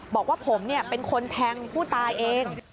บอกว่าผมเป็นคนแทงผู้ตายเอง